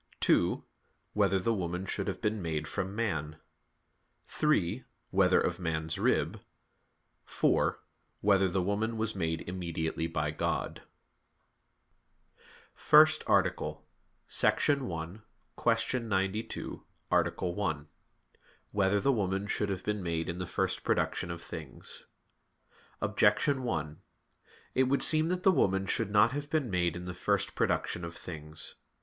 (2) Whether the woman should have been made from man? (3) Whether of man's rib? (4) Whether the woman was made immediately by God? _______________________ FIRST ARTICLE [I, Q. 92, Art. 1] Whether the Woman Should Have Been Made in the First Production of Things? Objection 1: It would seem that the woman should not have been made in the first production of things.